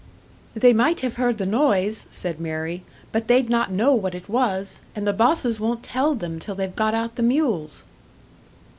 "They might have heard the noise," said Mary. "But they'd not know what it was; and the bosses won't tell them till they've got out the mules."